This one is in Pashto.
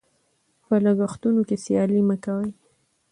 په لګښتونو کې سیالي مه کوئ.